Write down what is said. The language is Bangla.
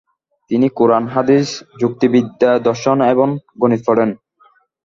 তিনি কুরআন, হাদিস, যুক্তিবিদ্যা, দর্শন এবং গণিত পড়েন।